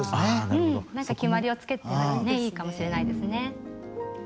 何か決まりをつけてもいいかもしれないですね。